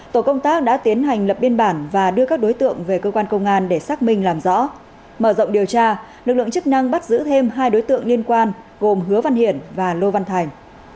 tổ công tác đã tiến hành lập biên bản và đưa các đối tượng về cơ quan công an để xác minh làm rõ mở rộng điều tra lực lượng chức năng bắt giữ thêm hai đối tượng liên quan gồm hứa văn hiển và lô văn thành